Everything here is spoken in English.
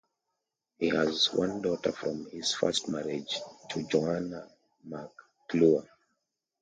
He has one daughter from his first marriage to Joanna McClure.